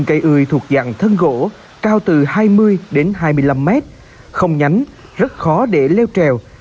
cây ươi thuộc dạng thân gỗ cao từ hai mươi đến hai mươi năm mét không nhánh rất khó để leo trèo